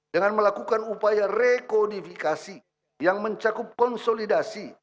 dengan melakukan upaya rekodifikasi yang mencakup konsolidasi